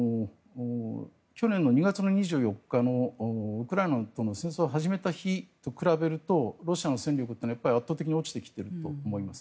去年の２月２４日のウクライナとの戦争を始めた日と比べるとロシアの戦力というのは圧倒的に落ちてきていると思います。